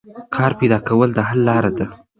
کار پیدا کول د حل لار ده.